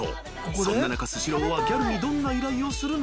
そんな中スシローはギャルにどんな依頼をするのか？］